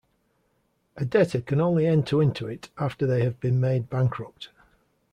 A debtor can only enter into it after they have been made bankrupt.